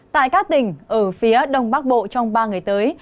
tại các tỉnh ở phía đông bắc bộ trong ba ngày tới